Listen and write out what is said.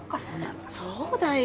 そうだよ。